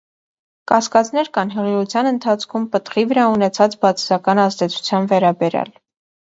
Կասկածներ կան հղիության ընթացքում պտղի վրա ունեցած բացասական ազդեցության վերաբերյալ։